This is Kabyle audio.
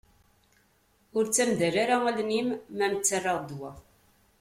Ur ttamdal ara allen-im mi ara m-ttarraɣ ddwa.